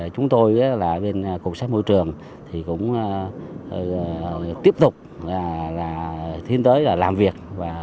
chúng tôi là bên cục sách môi trường thì cũng tiếp tục thiên tới làm việc